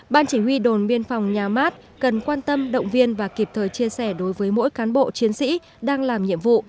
ban chỉ huy đồn biên phòng nhà mát cần quan tâm động viên và kịp thời chia sẻ đối với mỗi cán bộ chiến sĩ đang làm nhiệm vụ